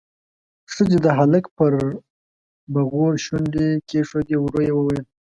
ښځې د هلک پر بغور شونډې کېښودې، ورو يې وويل: